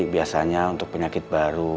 biasanya untuk penyakit baru